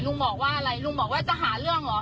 ลุงบอกว่าอะไรลุงบอกว่าจะหาเรื่องเหรอ